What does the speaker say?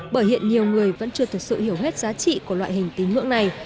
bởi hiện nhiều người vẫn chưa thực sự hiểu hết giá trị của loại hình tín ngưỡng này